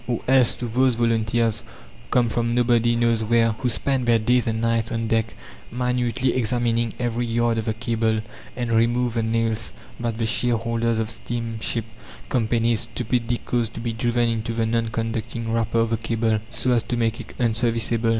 Or else to those volunteers, come from nobody knows where, who spent their days and nights on deck minutely examining every yard of the cable, and removed the nails that the shareholders of steamship companies stupidly caused to be driven into the non conducting wrapper of the cable, so as to make it unserviceable?